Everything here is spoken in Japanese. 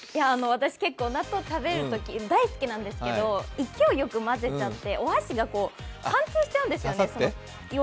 私、結構、納豆大好きなんですけど勢いよく混ぜちゃってお箸が貫通しちゃうんですよね。